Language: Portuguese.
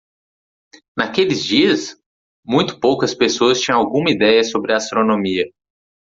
Naqueles dias?, muito poucas pessoas tinham alguma ideia sobre astronomia.